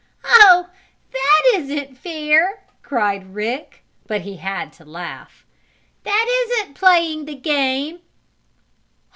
"Oh, that isn't fair!" cried Rick, but he had to laugh. "That isn't playing the game!"